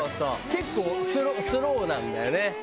結構スローなんだよね。